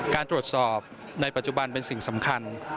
การตรวจสอบในปัจจุบันเป็นสิ่งสำคัญ